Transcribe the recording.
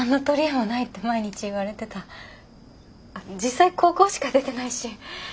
実際高校しか出てないし。